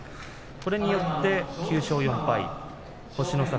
これによって９勝４敗星の差